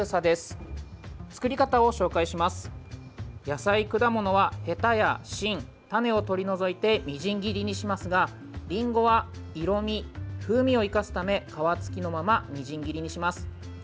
野菜、果物はへたや芯、種を取り除いてみじん切りにしますがりんごは色味、風味を生かすため皮付きのままみじん切りにします。